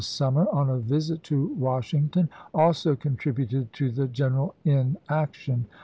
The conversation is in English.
xvil summer, on a visit to Washington, also contributed to the general inaction.